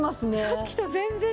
さっきと全然違う。